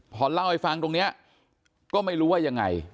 พอเล่าให้ฟังตรงนี้ก็ไม่รู้ว่ายังไง